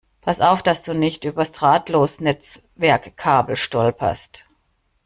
Pass auf, dass du nicht übers Drahtlosnetzwerk-Kabel stolperst!